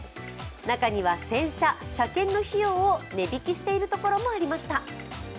中には洗車、車検の費用を値引きしているところもありました。